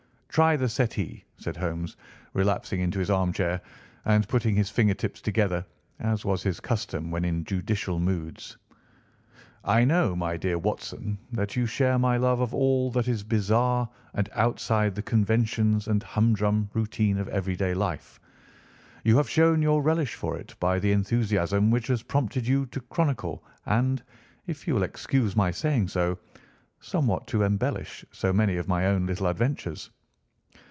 "Try the settee," said Holmes, relapsing into his armchair and putting his fingertips together, as was his custom when in judicial moods. "I know, my dear Watson, that you share my love of all that is bizarre and outside the conventions and humdrum routine of everyday life. You have shown your relish for it by the enthusiasm which has prompted you to chronicle, and, if you will excuse my saying so, somewhat to embellish so many of my own little adventures."